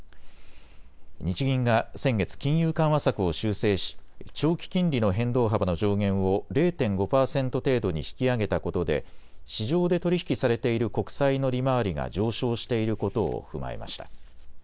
日銀が先月、金融緩和策を修正し長期金利の変動幅の上限を０．５％程度に引き上げたことで市場で取り引きされている国債の利回りが上昇していることを踏まえました。